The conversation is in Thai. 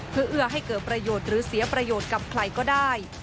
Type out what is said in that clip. เพื่อเอื้อให้เกิดประโยชน์หรือเสียประโยชน์กับใครก็ได้